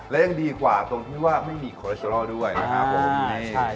และยังดีกว่าตรงที่ว่าไม่มีโคเรสเตอรอลด้วยนะครับผม